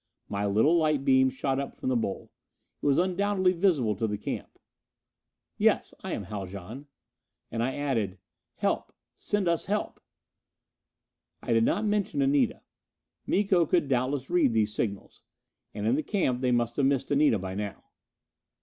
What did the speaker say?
My little light beam shot up from the bowl. It was undoubtedly visible to the camp. "Yes? I am Haljan." And I added: "Help! Send us help." I did not mention Anita. Miko could doubtless read these signals. And in the camp they must have missed Anita by now.